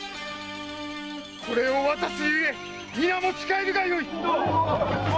これを渡すゆえ皆持ち帰るがよい！